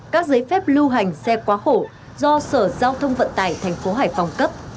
các giấy phép lưu hành xe quá khổ do sở giao thông vận tải thành phố hải phòng cấp